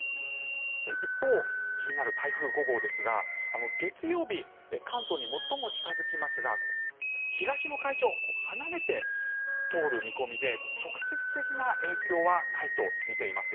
一方、気になる台風５号ですが月曜日、関東に最も近付きますが東の海上を離れて通る見込みで直接的な影響はないとみています。